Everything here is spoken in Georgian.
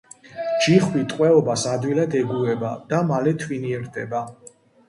ჯიხვი ტყვეობას ადვილად ეგუება და მალე თვინიერდება.